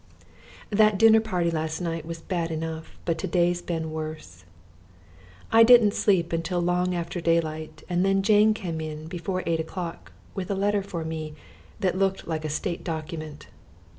That dinner party last night was bad enough, but to day's been worse. I didn't sleep until long after daylight and then Jane came in before eight o'clock with a letter for me that looked like a state document.